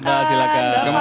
terima kasih banyak pak bas